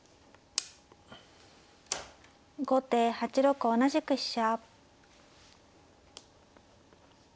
後手８六同じく飛車。